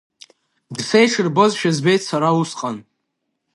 Дсеиҽырбозшәагьы збеит сара усҟан.